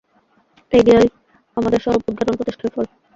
এই জ্ঞেয়ই আমাদের স্বরূপ-উদ্ঘাটন-প্রচেষ্টার ফল।